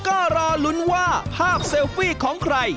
ก็รอลุ้นว่าภาพเซลฟี่ของใคร